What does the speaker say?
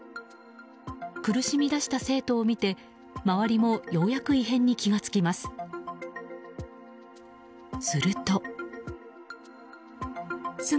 苦しみだした生徒を見て、周りもようやく異変に気が付きます。